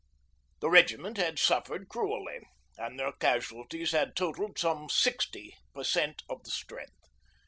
The Regiment had suffered cruelly, and their casualties had totalled some sixty per cent. of the strength.